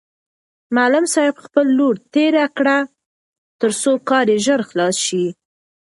معلم صاحب خپل لور تېره کړ ترڅو کار یې ژر خلاص شي.